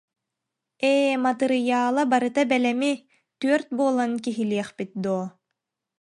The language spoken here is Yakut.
Ээ, матырыйаала барыта бэлэми түөрт буолан киһилиэхпит дуо